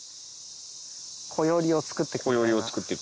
こよりを作ってく。